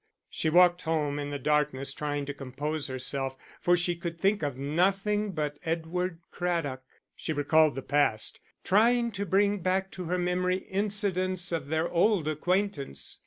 She walked home in the darkness trying to compose herself, for she could think of nothing but Edward Craddock. She recalled the past, trying to bring back to her memory incidents of their old acquaintance.